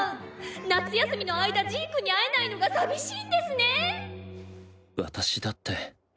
夏休みの間ジークに会えないのが寂しいんですね。